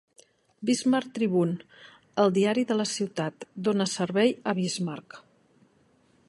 "Bismarck Tribune", el diari de la ciutat, dóna servei a Bismarck.